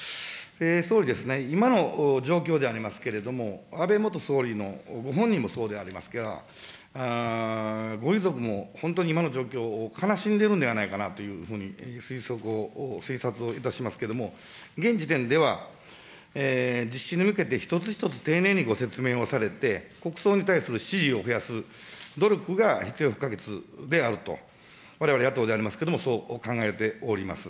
総理ですね、今の状況でありますけれども、安倍元総理の、ご本人もそうでありますが、ご遺族も本当に今の状況を悲しんでいるんではないかなというふうに推察をいたしますけれども、現時点では、実施に向けて一つ一つ丁寧にご説明をされて、国葬に対する支持を増やす努力が必要不可欠であると、われわれ、野党でありますけれども、そう考えております。